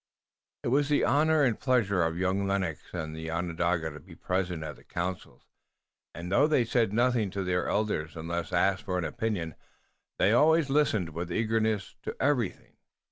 It was the honor and pleasure of young Lennox and the Onondaga to be present at the councils, and though they said nothing to their elders unless asked for an opinion, they always listened with eagerness to everything.